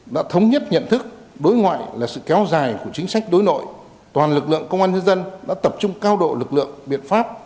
đã thống nhất nhận thức đối ngoại là sự kéo dài của chính sách đối nội toàn lực lượng công an nhân dân đã tập trung cao độ lực lượng biện pháp